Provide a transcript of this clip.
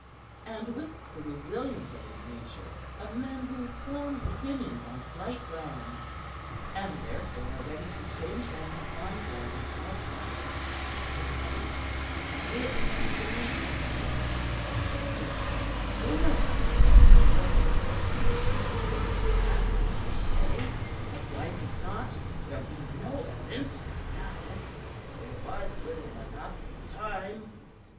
And with the resilience of his nature of men who form opinions on slight grounds, and, therefore, are ready to change them upon grounds as slight "I' faith! I may have been running to meet my trouble. 'Tis but a rumor, after all, that Wharton is for mischief, and as you say as like as not there'll be no evidence by now. There was little enough at the time.